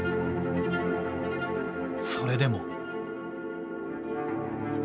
それでも。